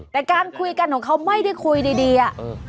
แต่การคุยกันของเขาไม่ได้คุยดีอะ